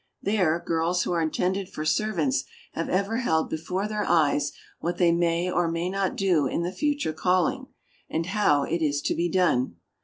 There, girls who are intended for servants have ever held before their eyes what they may or may not do in the future calling, and how it is to be done.